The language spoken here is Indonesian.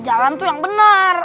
jalan tuh yang benar